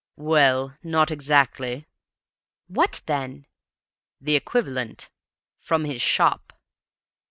"Well, not exactly." "What, then?" "The equivalent from his shop."